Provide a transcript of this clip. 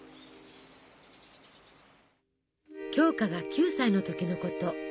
鏡花が９歳の時のこと。